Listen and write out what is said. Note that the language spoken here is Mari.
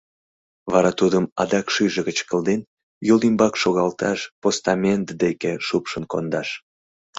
Вара Тудым, адак шӱйжӧ гыч кылден, йол ӱмбак шогалташ, постамент деке шупшын кондаш...